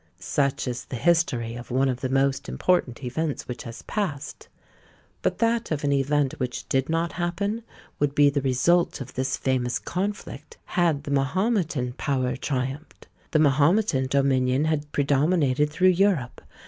Such is the history of one of the most important events which has passed; but that of an event which did not happen, would be the result of this famous conflict, had the Mahometan power triumphed! The Mahometan dominion had predominated through Europe!